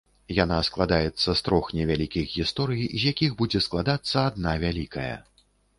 Яна складаецца з трох невялікіх гісторый, з якіх будзе складацца адна вялікая.